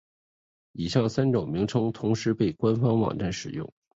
以上三种名称同时被官方网站使用。